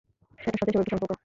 সেটার সাথে এসবের কী সম্পর্ক?